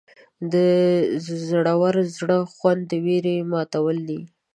د زړور زړه خوند د ویرې ماتول دي.